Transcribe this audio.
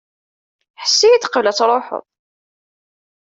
Hess-iyi-d qbel ad truḥeḍ.